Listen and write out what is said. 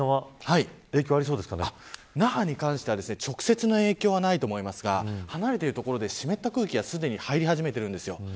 那覇に関しては、直接の影響はないと思いますが離れている所で湿った空気がすでに入り始めているんです。